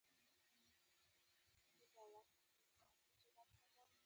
ساقي وویل که له خیره ورسیداست نو پنځه سوه فرانکه راولېږه.